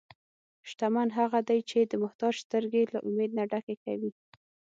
شتمن هغه دی چې د محتاج سترګې له امید نه ډکې کوي.